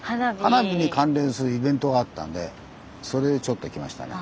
花火に関連するイベントがあったんでそれでちょっと来ましたね。